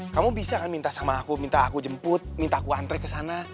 kamu bisa kan minta sama aku minta aku jemput minta ku antre kesana